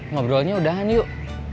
ngobrolnya udahan yuk